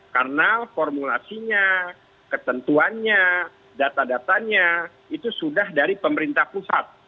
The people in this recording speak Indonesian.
karena formulasinya ketentuannya data datanya itu sudah dari pemerintah pusat